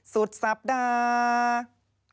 สุดสัปดาห์